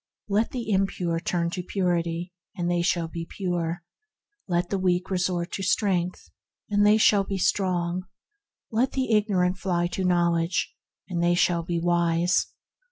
Let the impure turn to Purity, and they shall be pure; let the weak resort to Strength, andthey shall be strong; let the ignorant fly to Knowledge, and they shall be wise.